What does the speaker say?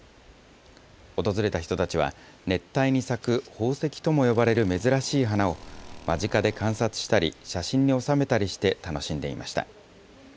訪れた人たちは、熱帯に咲く宝石とも呼ばれる珍しい花を、間近で観察したり、写真に収めたりして楽しんでいました。